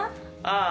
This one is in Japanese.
ああ。